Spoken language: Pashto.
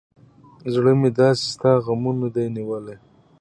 زړه مې داسې ستا غمونه دى نيولى.